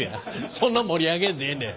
そんな盛り上げんでええねん。